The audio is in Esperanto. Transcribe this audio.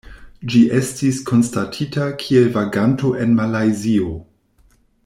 Ĝi estis konstatita kiel vaganto en Malajzio.